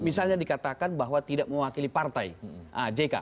misalnya dikatakan bahwa tidak mewakili partai jk